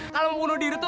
kalo mau bunuh diri tuh